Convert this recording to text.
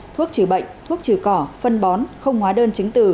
thuốc trừ bệnh thuốc trừ cỏ phân bón không hóa đơn chứng từ